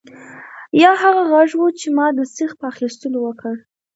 یا هغه غږ و چې ما د سیخ په اخیستلو وکړ